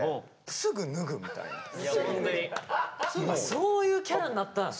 そういうキャラになったん？